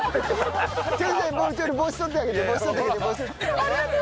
ちょっと帽子取ってあげて帽子取ってあげて。